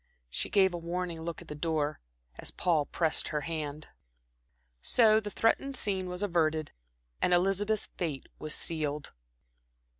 She gave a warning look at the door, as Paul pressed her hand. So the threatened scene was averted and Elizabeth's fate was sealed.